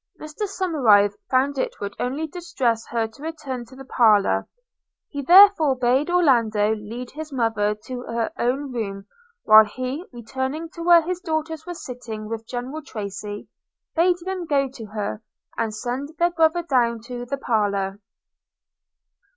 Mr Somerive found it would only distress her to return to the parlour; he therefore bade Orlando lead his mother to her own room, while he, returning to where his daughters were sitting with General Tracy, bade them go to her, and send their brother down to the parlour.